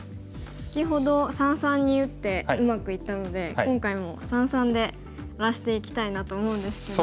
先ほど三々に打ってうまくいったので今回も三々で荒らしていきたいなと思うんですけど。